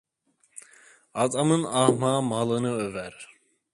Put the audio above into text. Adamın ahmağı malını över.